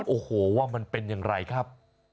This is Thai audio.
โอ้โหว่ามันเป็นอย่างไรครับ